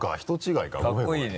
いいね